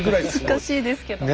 難しいですけどね。